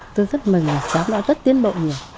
tôi rất mừng là xóm đã rất tiến bộ nhiều